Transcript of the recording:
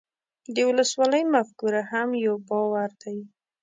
د ولسواکۍ مفکوره هم یو باور دی.